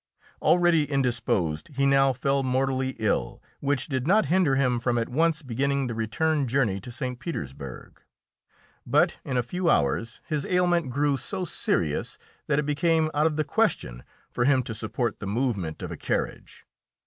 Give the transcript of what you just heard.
Already indisposed, he now fell mortally ill, which did not hinder him from at once beginning the return journey to St. Petersburg. But in a few hours his ailment grew so serious that it became out of the question for him to support the movement of a carriage.